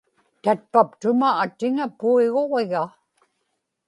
tatpaptuma atiŋa puiguġiga